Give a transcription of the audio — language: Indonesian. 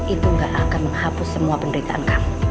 itu gak akan menghapus semua penderitaan kami